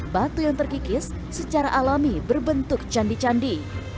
batu yang terkikis secara alami berbentuk candi candi